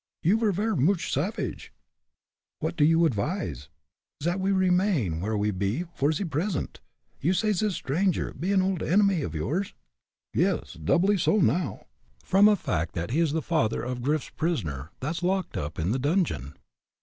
"You were ver' mooch savage!" "What do you advise?" "Zat we remain where we be for ze present. You say zis stranger be an old enemy of yours?" "Yes. Doubly so now, from a fact that he is the father of Grif's prisoner, that's locked up in the dungeon."